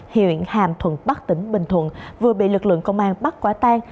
huyện hàm thuận bắc tỉnh bình thuận vừa bị lực lượng công an bắt quả tan